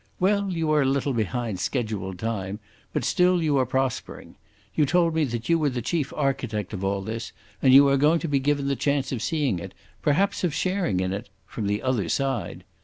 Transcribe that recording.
Well, you are a little behind scheduled time, but still you are prospering. You told me that you were the chief architect of all this, and you are going to be given the chance of seeing it, perhaps of sharing in it—from the other side.